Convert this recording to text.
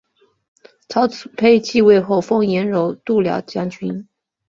曹丕即位后封阎柔度辽将军。